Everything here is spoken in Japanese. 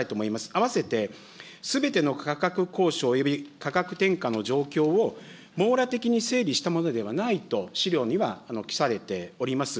あわせて、すべての価格交渉および価格転嫁の状況を網羅的に整理したものではないと、資料にはきされております。